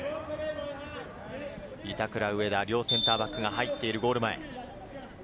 板倉、植田、両センターバックが入っているゴール前。